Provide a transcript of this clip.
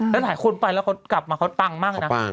แล้วหลายคนไปแล้วเขากลับมาเขาปังมากเลยนะ